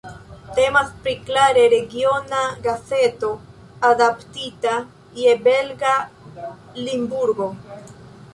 Temas pri klare regiona gazeto, adaptita je belga Limburgo.